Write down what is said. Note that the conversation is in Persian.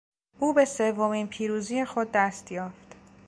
او به سومین پیروزی خود دست یافت.